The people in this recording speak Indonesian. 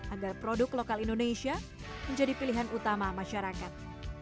agar produk lokal indonesia menjadi pilihan utama masyarakat